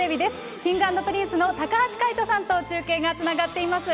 Ｋｉｎｇ＆Ｐｒｉｎｃｅの高橋海人さんと中継がつながっています。